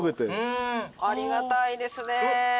ありがたいですね。